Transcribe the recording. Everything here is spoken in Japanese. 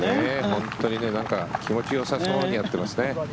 本当に気持ちよさそうに打ってますね。